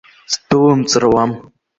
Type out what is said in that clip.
Сдәылымҵыр ауам.